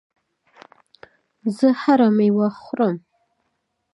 زه هره ورځ مېوه خورم.